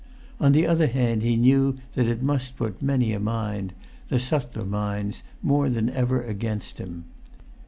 On the other hand, he knew that it must put many a mind, the subtler minds, more than ever against him.